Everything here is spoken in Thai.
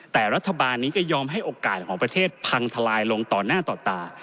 แต่รัฐบาลนี้ก็ยอมให้โอกาสของประเทศพังทลายลงต่อหน้าต่อตา